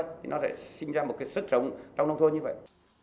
thì nó sẽ sinh ra một cái sức sống trong nông thôn như vậy